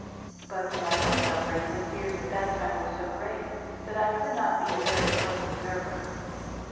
But my own sufferings and fears at that time were so great that I could not be a very close observer.